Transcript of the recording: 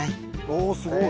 おおすごい！